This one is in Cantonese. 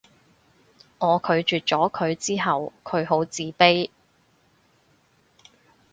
我拒絕咗佢之後佢好自卑